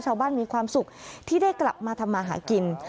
ชาวบ้านมีความสุขที่ได้กลับมาทำมาหากิน